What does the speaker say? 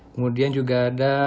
kemudian juga ada